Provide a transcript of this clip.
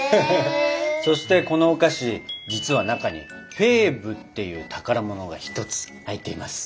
そしてこのお菓子実は中に「フェーブ」っていう宝物が一つ入っています。